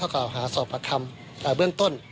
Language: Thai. แล้วก็จะให้เข้าข่าวหาศพประคัมเบื้องต้น